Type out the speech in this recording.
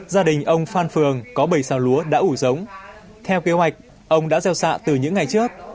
gia đình ông phan phường có bảy xào lúa đã ủ giống theo kế hoạch ông đã gieo xạ từ những ngày trước